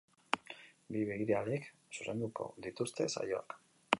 Bi begiralek zuzenduko dituzte saioak.